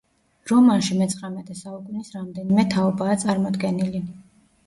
რომანში მეცხრამეტე საუკუნის რამდენიმე თაობაა წარმოდგენილი.